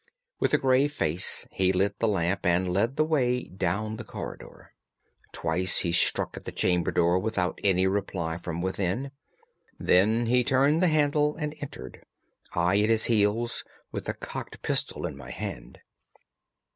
With a grave face he lit the lamp and led the way down the corridor. Twice he struck at the chamber door without any reply from within. Then he turned the handle and entered, I at his heels, with the cocked pistol in my hand.